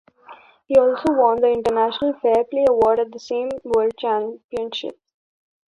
He also won the International Fair Play award at the same world championships.